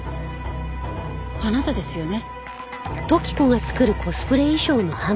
あなたですよね？